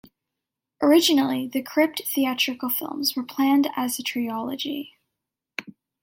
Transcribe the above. Originally the "Crypt" theatrical films were planned as a trilogy.